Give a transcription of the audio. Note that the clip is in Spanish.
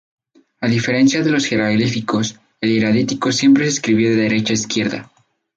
A diferencia de los jeroglíficos, el hierático siempre se escribía de derecha a izquierda.